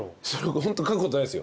ホント書くことないっすよ。